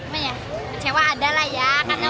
kecewa adalah ya